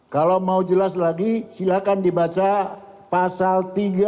kalau mau jelas lagi silahkan dibaca pasal tiga puluh dua